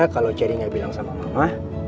kalau ceri nggak bilang sama mama